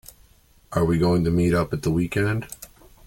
Are we going to meet up at the weekend?